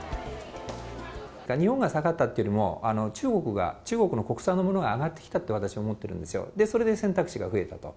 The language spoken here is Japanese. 日本が下がったというよりも中国の国産のものが上がってきたと私は思ってるんですよ、それで選択肢が増えたと。